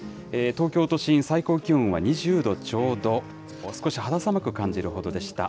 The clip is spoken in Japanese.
東京都心、最高気温は２０度ちょうど、少し肌寒く感じるほどでした。